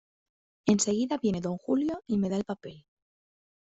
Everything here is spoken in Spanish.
Enseguida viene Don Julio y me da el papel.